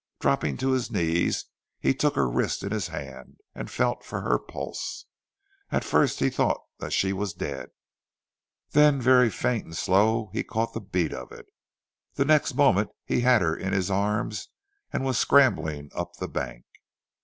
Dropping to his knees he took her wrist in his hand and felt for her pulse. At first he thought that she was dead, then very faint and slow he caught the beat of it. The next moment he had her in his arms and was scrambling up the bank.